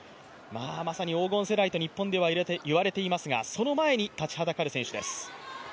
まさに黄金世代と日本では言われていますがその前に立ちはだかる選手です。